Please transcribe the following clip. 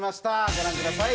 ご覧ください。